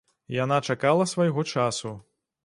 Яна чакала свайго часу.